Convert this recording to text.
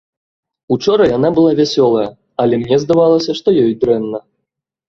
Учора яна была вясёлая, але мне здавалася, што ёй дрэнна.